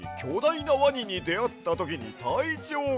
いなワニにであったときにたいちょうが。